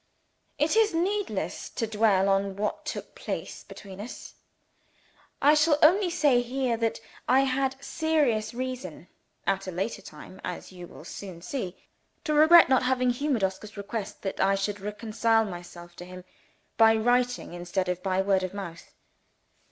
It is needless to dwell on what took place between us. I shall only say here that I had serious reason, at a later time as you will soon see to regret not having humoured Oscar's request that I should reconcile myself to him by writing, instead of by word of mouth.